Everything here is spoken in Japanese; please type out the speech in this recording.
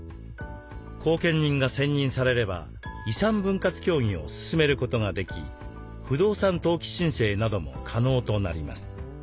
後見人が選任されれば遺産分割協議を進めることができ不動産登記申請なども可能となります。